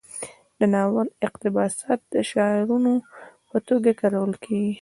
د ناول اقتباسات د شعارونو په توګه کارول کیږي.